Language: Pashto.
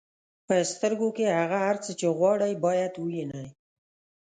په سترګو کې هغه هر څه چې غواړئ باید ووینئ.